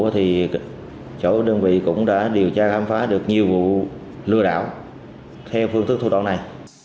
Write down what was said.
thì chỗ đơn vị cũng đã điều tra khám phá được nhiều vụ lừa đảo theo phương thức thủ đoạn này